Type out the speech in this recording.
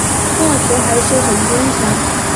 外婆还是很坚强